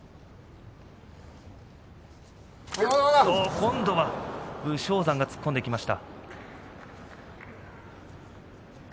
今度は武将山が突っ込んでいきました。